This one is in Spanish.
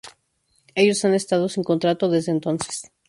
Ellos han estado sin contrato desde entonces.